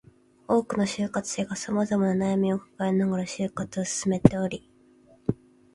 多くの就活生が様々な悩みを抱えながら就活を進めており